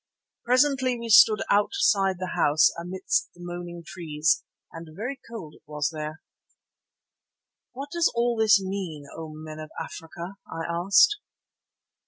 Presently we stood outside the house amidst the moaning trees, and very cold it was there. "What does all this mean, O men of Africa?" I asked.